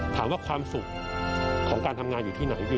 ถามว่าความสุขของการทำงานอยู่ที่ไหนพี่